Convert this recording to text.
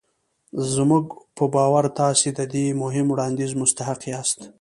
زموږ په باور تاسې د دې مهم وړانديز مستحق ياست.